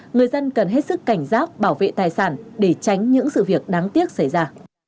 người dân cần hết sức cảnh giác bảo vệ tài sản để tránh những sự việc đáng tiếc xảy ra